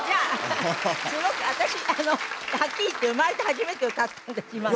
すごく私あのはっきり言って生まれて初めて歌ったんです今の。